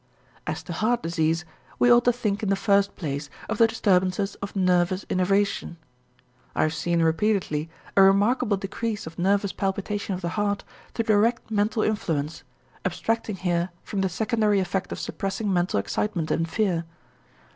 As to heart disease, we ought to think in the first place of the disturbances of nervous innervation. I have seen repeatedly a remarkable decrease of nervous palpitation of the heart through direct mental influence, abstracting here from the secondary effect of suppressing mental excitement and fear.